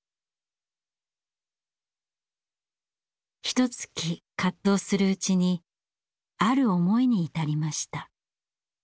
ひとつき葛藤するうちにある思いに至りました。